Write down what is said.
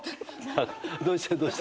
どうした？